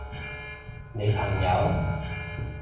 你朋友？